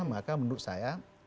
maka menurut saya